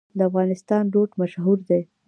د افغانستان روټ مشهور دی